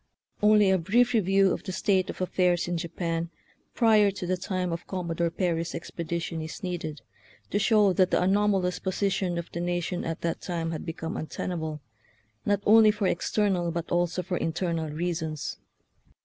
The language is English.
Only a brief review of the state of af fairs in Japan prior to the time of Com modore Perry's expedition is needed to show that the anomalous position of the nation at that time had become untenable, not only for external but also for internal reasons.